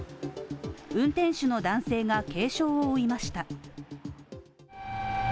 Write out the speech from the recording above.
運転手の男性が軽傷を負いました。